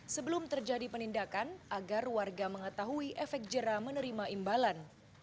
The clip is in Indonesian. sebelum terjadi penindakan agar warga mengetahui efek jerah menerima imbalan